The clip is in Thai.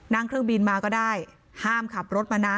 นั่งเครื่องบินมาก็ได้ห้ามขับรถมานะ